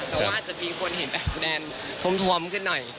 แต่ว่าจะมีคนเห็นแบบแดนทวมขึ้นหน่อย